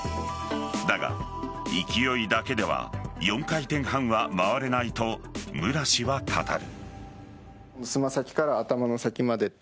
だが、勢いだけでは４回転半は回れないと無良氏は語る。